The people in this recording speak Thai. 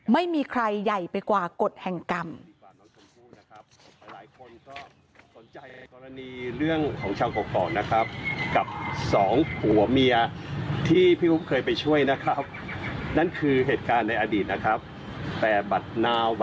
ไม่มีใครใหญ่ไปกว่ากฎแห่งกรรม